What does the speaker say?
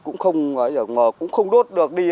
cũng không đốt được đi